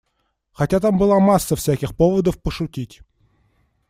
Хотя там была масса всяких поводов пошутить.